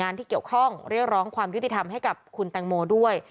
ที่เกี่ยวข้องเรียกร้องความยุติธรรมให้กับคุณแตงโมด้วย